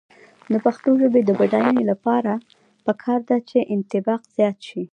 د پښتو ژبې د بډاینې لپاره پکار ده چې انطباق زیات شي.